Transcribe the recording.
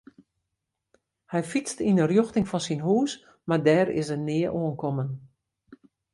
Hy fytste yn 'e rjochting fan syn hús mar dêr is er nea oankommen.